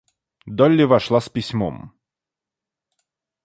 Долли вошла с письмом.